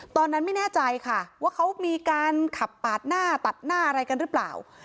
ตอนนั้นไม่แน่ใจค่ะว่าเขามีการขับปาดหน้าตัดหน้าอะไรกันหรือเปล่า